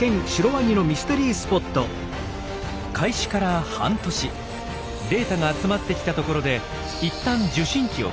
開始から半年データが集まってきたところでいったん受信器を回収。